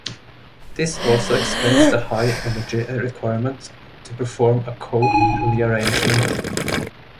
This also explains the high energy requirement to perform a Cope rearrangement.